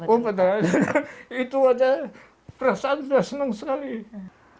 itu saja perasaan sudah senang sekali